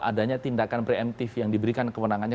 adanya tindakan preemptif yang diberikan kewenangannya